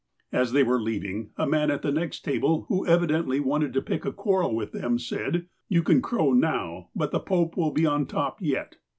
As they were leaving, a man at the next table, who evidently wanted to pick a quarrel with them, said : "You can crow now, but the Pope will be on top yet."